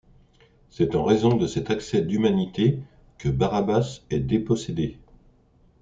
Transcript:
C'est en raison de cet accès d'humanité que Barabas est dépossédé.